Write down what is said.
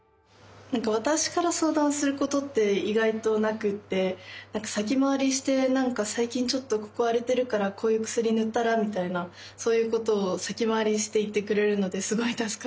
私から相談することって意外となくって先回りして「最近ちょっとここ荒れてるからこういう薬塗ったら？」みたいなそういうことを先回りして言ってくれるのですごい助かってます。